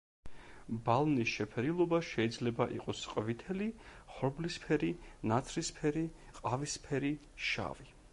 ბალნის შეფერილობა შეიძლება იყოს ყვითელი, ხორბლისფერი, ნაცრისფერი, ყავისფერი, შავი.